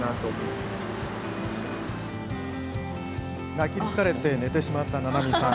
泣き疲れて寝てしまった菜々美さん。